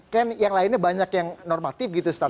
kan yang lainnya banyak yang normatif gitu